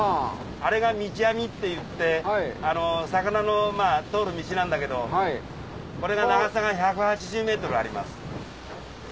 あれが道網っていって魚の通る道なんだけどこれが長さが１８０ｍあります。